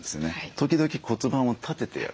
時々骨盤を立ててやる。